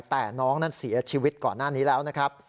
แต่น้องนั้นเสียชีวิตก่อนหน้านี้แล้วนะครับ